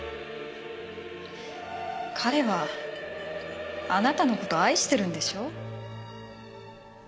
彼はあなたの事愛してるんでしょう？